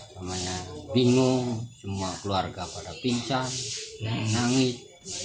saya bingung semua keluarga pada pincan menangis